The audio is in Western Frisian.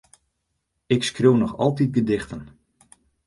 Ik skriuw noch altyd gedichten.